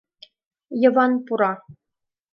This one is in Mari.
Йыван пура.